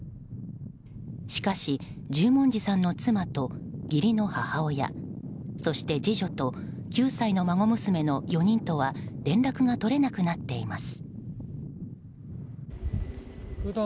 しかし、十文字さんの妻と義理の母親そして次女と９歳の孫娘の４人とは連絡が取れなくなっています。